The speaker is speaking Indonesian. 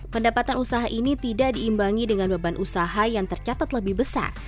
pendapatan usaha ini tidak diimbangi dengan beban usaha yang tercatat lebih besar